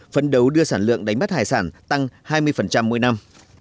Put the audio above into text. phấn đấu đưa sản lượng đánh bắt hải sản tăng hai mươi mỗi năm